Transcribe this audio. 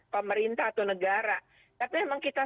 pemerintah atau negara tapi memang kita